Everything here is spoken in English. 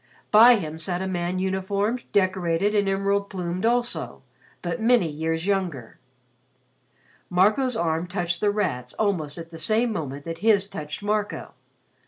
By him sat a man uniformed, decorated, and emerald plumed also, but many years younger. Marco's arm touched The Rat's almost at the same moment that his own touched Marco.